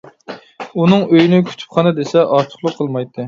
ئۇنىڭ ئۆيىنى كۇتۇپخانا دېسە ئارتۇقلۇق قىلمايتتى.